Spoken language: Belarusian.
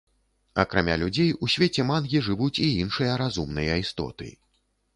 Акрамя людзей у свеце мангі жывуць і іншыя разумныя істоты.